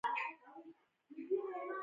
حجرې ته نوی پروتوپلازم جوړ کړي.